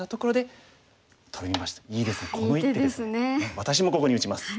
私もここに打ちます。